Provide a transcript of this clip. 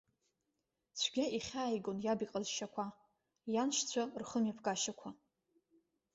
Цәгьа ихьааигон иаб иҟазшьақәа, ианшьцәа рхымҩаԥгашьақәа.